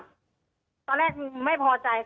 ตอนที่จะไปอยู่โรงเรียนนี้แปลว่าเรียนจบมไหนคะ